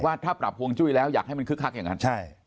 ถ้าปรับฮวงจุ้ยแล้วอยากให้มันคึกคักอย่างนั้น